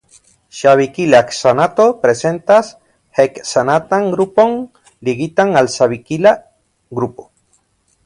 Ŝavikila heksanato prezentas heksanatan grupon ligitan al ŝavikila grupo.